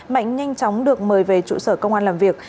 mạnh nhanh chóng được mời về trụ sở công an làm việc